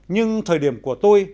nhưng thời điểm của tôi